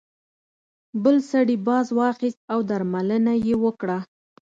بل سړي باز واخیست او درملنه یې وکړه.